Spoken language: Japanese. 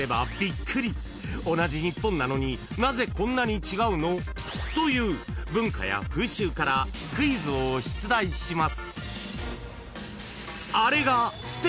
［同じ日本なのになぜこんなに違うの？という文化や風習からクイズを出題します］